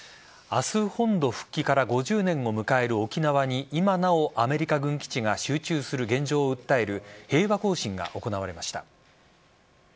明日は本土復帰から５０年を迎える沖縄に今なおアメリカ軍基地が集中する現状を訴える平和行進が行われました。